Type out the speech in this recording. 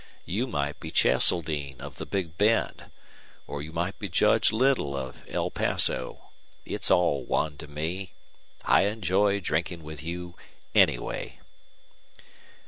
You might be Cheseldine, of the Big Bend, or you might be Judge Little, of El Paso it's all one to me. I enjoy drinking with you anyway."